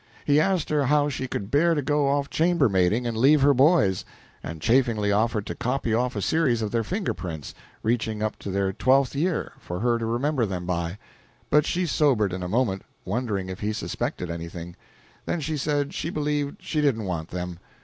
He asked her how she could bear to go off chambermaiding and leave her boys; and chaffingly offered to copy off a series of their finger prints, reaching up to their twelfth year, for her to remember them by; but she sobered in a moment, wondering if he suspected anything; then she said she believed she didn't want them.